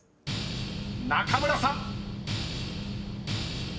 ［中村さん］